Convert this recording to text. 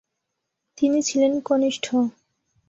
তিনি ছিলেন কনিষ্ঠ ।